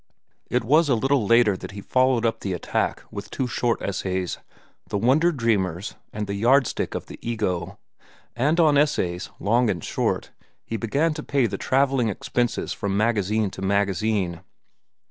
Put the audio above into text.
It was a little later that he followed up the attack with two short essays, "The Wonder Dreamers" and "The Yardstick of the Ego." And on essays, long and short, he began to pay the travelling expenses from magazine to magazine.